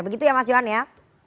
begitu ya mas johan ya